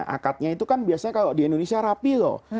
akadnya itu kan biasanya kalau di indonesia rapi loh